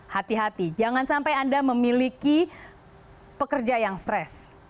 hati hati jangan sampai anda memiliki pekerja yang stres